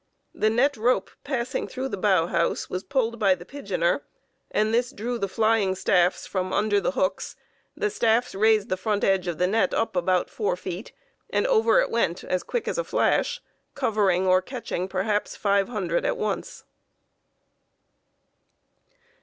The net rope passing through the bough house was pulled by the pigeoner, and this drew the flying staffs from under the hooks, the staffs raised the front edge of the net up about four feet, and over it went as quick as a flash, covering or catching perhaps five hundred at once.